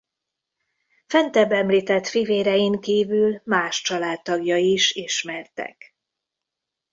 Fentebb említett fivérein kívül más családtagjai is ismertek.